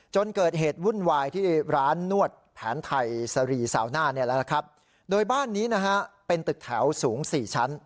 จนเกิดเหตุวุ่นวายที่ร้านนวดแผนไทยสรีสาวน่าโดยบ้านนี้เป็นตึกแถวสูง๔ชั้น